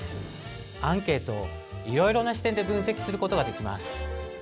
アンケートをいろいろな視点で分析することができます。